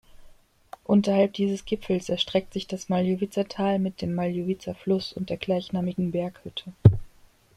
Unterhalb dieses Gipfels erstreckt sich das Maljowiza-Tal mit dem Maljowiza-Fluss und der gleichnamigen Berghütte.